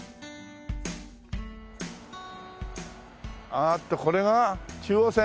あっとこれが中央線？